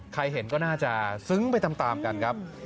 ใครเห็นก็น่าจะซึ้งไปตามกันครับ